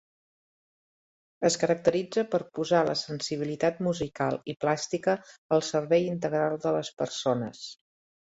Es caracteritza per posar la sensibilitat musical i plàstica al servei integral de les persones.